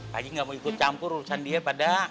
pak haji gak mau ikut campur urusan dia pada